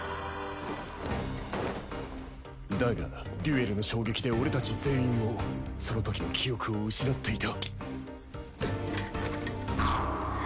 だがデュエルの衝撃で俺たち全員もそのときの記憶を失っていた。